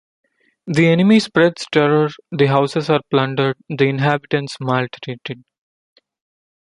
The enemy spreads terror, the houses are plundered, the inhabitants maltreated.